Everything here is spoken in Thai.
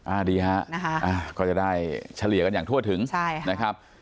อ่าดีฮะก็จะได้เฉลี่ยกันอย่างทั่วถึงนะครับ